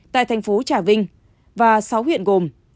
tại thành phố trà vinh và sáu huyện gồm